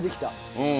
うん。